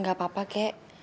gak apa apa kek